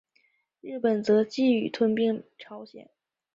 日本则觊觎吞并朝鲜。